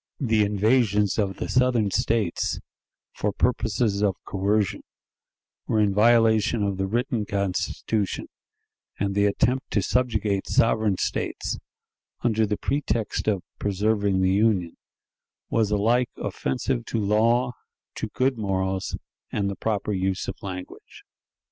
The invasions of the Southern States, for purposes of coercion, were in violation of the written Constitution, and the attempt to subjugate sovereign States, under the pretext of "preserving the Union," was alike offensive to law, to good morals, and the proper use of language.